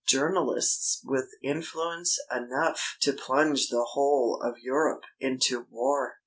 Journalists with influence enough to plunge the whole of Europe into war!